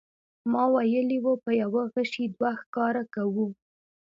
ما ویلي و په یوه غیشي دوه ښکاره کوو.